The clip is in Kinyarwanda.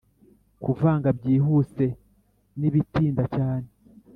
kuvanga byihuse nibitinda cyane